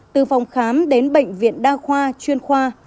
từ phòng khám đến bệnh viện đa khoa chuyên khoa